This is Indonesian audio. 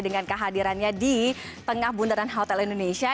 dengan kehadirannya di tengah bundaran hotel indonesia